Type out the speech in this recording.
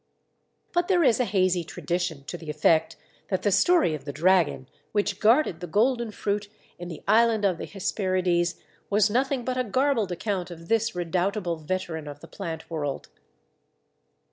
But there is a hazy tradition to the effect that the story of the Dragon which guarded the golden fruit in the island of the Hesperides was nothing but a garbled account of this redoubtable veteran of the plant world.